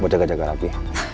buat jaga jaga lagi